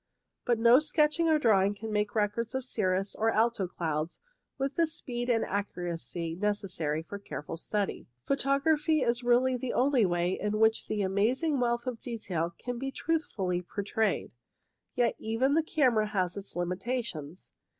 But no sketching or drawing can make records of cirrus or alto clouds with the speed and accuracy necessary for careful study. Photography is really the only way in which the amazing wealth of detail can be truthfully portrayed. Yet even the camera has its limitations.